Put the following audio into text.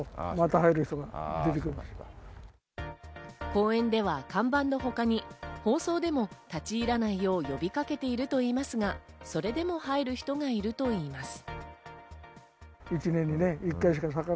公園では看板のほかに放送でも立ちいらないよう呼びかけているといいますが、それでも入る人がいるといいます。